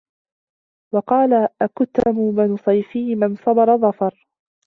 وَقَالَ أَكْثَمُ بْنُ صَيْفِيٍّ مَنْ صَبَرَ ظَفِرَ